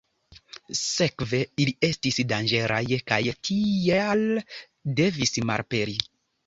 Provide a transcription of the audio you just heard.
Sekve, ili estis danĝeraj kaj tial devis malaperi.